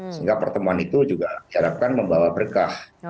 sehingga pertemuan itu juga diharapkan membawa berkah